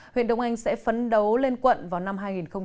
huyện đông anh sẽ phấn đấu lên quận vào năm hai nghìn hai mươi